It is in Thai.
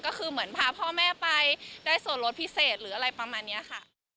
ก็คือเหมือนพาพ่อแม่ไปได้ส่วนลดพิเศษหรืออะไรประมาณนี้ค่ะ